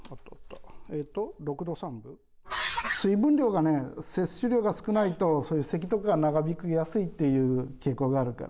水分量が、摂取量が少ないと、そういうせきとか長引きやすいって傾向があるから。